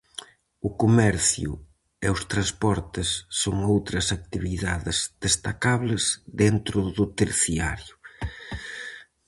O comercio e os transportes son outras actividades destacables dentro do terciario.